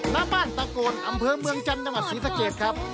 น้ำบ้านตากลอำเภอเมืองจันต์จังหวัดศรีสะเกตครับ